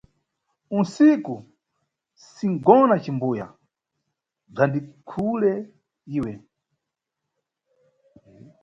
Usiku sinʼgona, cimbuya bzandikhule iwe.